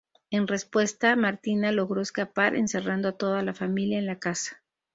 En respuesta, Martina logró escapar, encerrando a toda la familia en la casa.